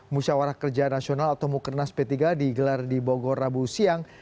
musyawarah kerja nasional atau mukernas p tiga digelar di bogor rabu siang